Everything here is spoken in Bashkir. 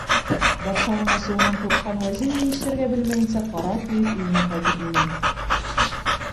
Батшаның асыуынан ҡурҡҡан вәзир, ни эшләргә белмәйенсә, ҡара көйөп өйөнә ҡайтып инә.